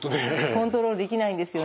コントロールできないんですよね。